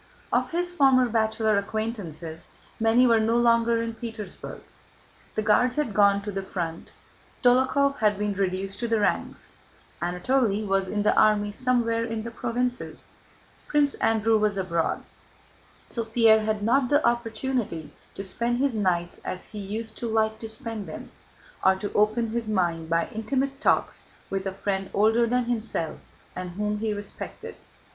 Of his former bachelor acquaintances many were no longer in Petersburg. The Guards had gone to the front; Dólokhov had been reduced to the ranks; Anatole was in the army somewhere in the provinces; Prince Andrew was abroad; so Pierre had not the opportunity to spend his nights as he used to like to spend them, or to open his mind by intimate talks with a friend older than himself and whom he respected.